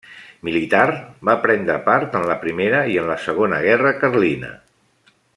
Militar, va prendre part en la Primera i en la Segona Guerra Carlina.